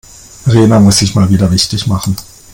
Rena muss sich mal wieder wichtig machen.